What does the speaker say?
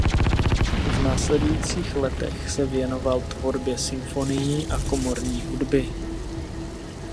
V následujících letech se věnoval tvorbě symfonií a komorní hudby.